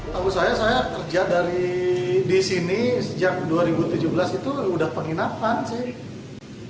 tahu saya saya kerja dari di sini sejak dua ribu tujuh belas itu sudah penginapan sih